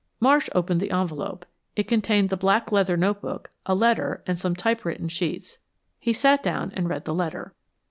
Marsh opened the envelope. It contained the black leather notebook, a letter, and some typewritten sheets. He sat down and read the letter.